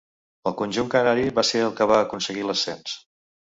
El conjunt canari va ser el que va aconseguir l'ascens.